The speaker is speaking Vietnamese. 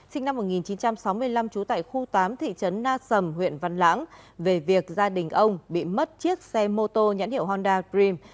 sinh năm một nghìn chín trăm sáu mươi năm trú tại khu tám thị trấn na sầm huyện văn lãng về việc gia đình ông bị mất chiếc xe mô tô nhãn hiệu honda dream